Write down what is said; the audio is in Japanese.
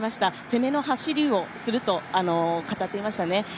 攻めの走りをすると語っていましたね。